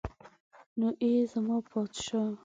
نو ای زما پادشاه.